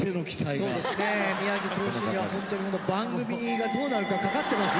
そうですね宮城投手にはほんとにこの番組がどうなるか懸かってますよ。